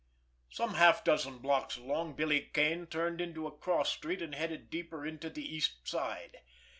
Some half dozen blocks along, Billy Kane turned into a cross street and headed deeper into the East Side.